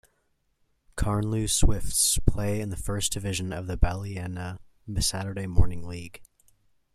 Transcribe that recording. Carnlough Swifts play in the first division of the Ballymena Saturday Morning League.